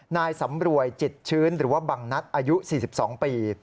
นายสำรวยจิตชื้นหรือว่าบังนัดอายุ๔๒ปี